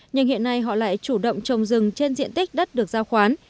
nhưng hiện nay họ lại chủ động trồng rừng trên diện tích đất được giao khoán